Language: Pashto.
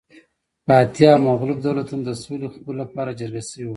فاتح او مغلوب دولتونه د سولې خبرو لپاره جرګه شوي وو